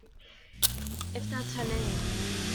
If that's her name.